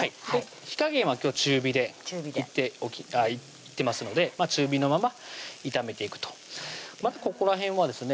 火加減は中火でいってますので中火のまま炒めていくとまだここら辺はですね